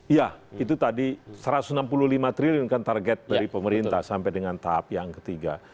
iya itu tadi satu ratus enam puluh lima triliun kan target dari pemerintah sampai dengan tahap yang ketiga